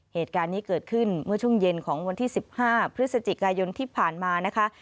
เหตุการณ์นี้เกิดขึ้นเมื่อช่วงเย็นของวันที่๑๕พฤศจิกายนที่ผ่านมานะคะ